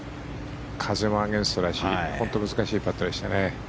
風もアゲンストだし難しいパットでしたね。